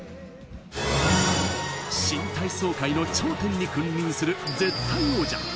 新体操界の頂点に君臨する絶対王者。